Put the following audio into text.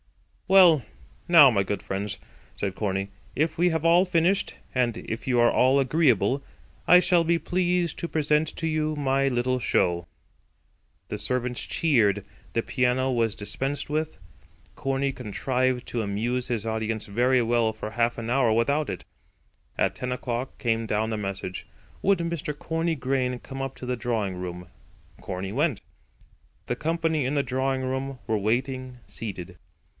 "Well, now, my good friends," said Corney, "if we have all finished, and if you are all agreeable, I shall be pleased to present to you my little show." The servants cheered. The piano was dispensed with. Corney contrived to amuse his audience very well for half an hour without it. At ten o'clock came down a message: Would Mr. Corney Grain come up into the drawing room. Corney went. The company in the drawing room were waiting, seated.